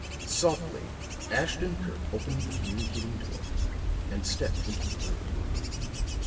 Softly Ashton Kirk opened the communicating door, and stepped into the room.